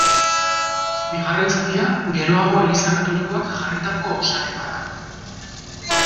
Bigarren zatia geroago eliza katolikoak jarritako osaketa da.